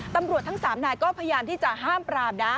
ตำรวจทั้ง๓นายก็พยายามที่จะห้ามปรามนะ